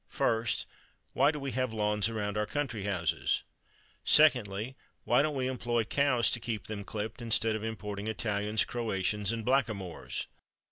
First, why do we have lawns around our country houses? Secondly, why don't we employ cows to keep them clipped, instead of importing Italians, Croatians and blackamoors?